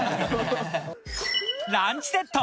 ランチセット